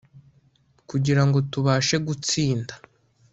Kugirango tubashe gutsinda